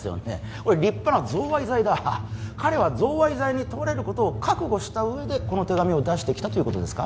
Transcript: これ立派な贈賄罪だ彼は贈賄罪に問われることを覚悟した上でこの手紙を出してきたということですか？